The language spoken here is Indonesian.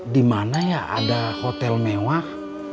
dimana ya ada hotel mewah